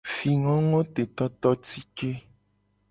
Fingongotetototike.